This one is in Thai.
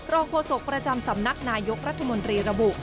โฆษกประจำสำนักนายกรัฐมนตรีระบุ